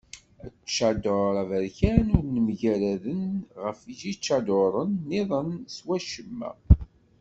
Aččadur aberkan ur nemgarad ɣef yiččaduren niḍen s wacemma.